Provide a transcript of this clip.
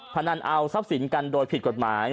พนันเอาทรัพย์สินกันโดยผิดกฎหมาย